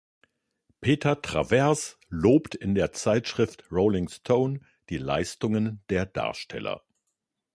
Peter Travers lobte in der Zeitschrift "Rolling Stone" die Leistungen der Darsteller.